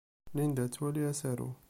Linda ad twali asaru.